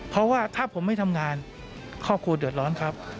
เพราะว่าถ้าผมไม่ทำงานครอบครัวเดือดร้อนครับ